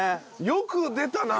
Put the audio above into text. よく出たな！